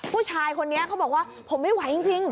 ผู้ชายคนนี้เขาบอกว่าผมไม่ไหวจริง